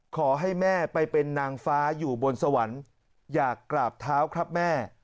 ขอให้แม่ไปเป็นนางฟ้าอยู่บนสวรรค์อยากกราบเท้าครับแม่